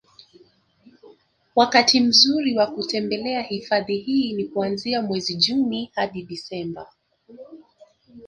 wakati mzuri wa kutembelea hifadhi hii ni kuanzia mwezi June hadi Desemba